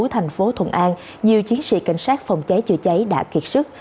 thành phố thuận an nhiều chiến sĩ cảnh sát phòng cháy chữa cháy đã kiệt sức